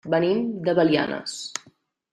Venim de Belianes.